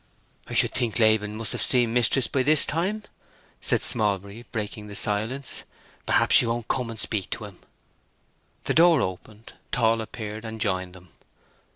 "I should think Laban must have seen mistress by this time," said Smallbury, breaking the silence. "Perhaps she won't come and speak to him." The door opened. Tall appeared, and joined them.